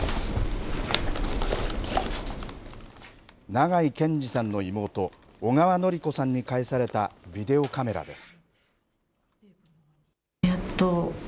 長井健司さんの妹小川典子さんに返されたビデオカメラです。